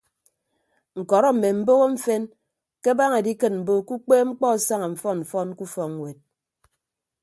Ñkọrọ mme mboho mfen ke abaña edikịt mbo ke ukpeepmkpọ asaña mfọn mfọn ke ufọkñwet.